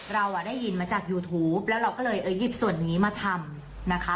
เราได้ยินมาจากยูทูปแล้วเราก็เลยเอาส่วนนี้มาทำ